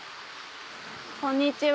こんにちは。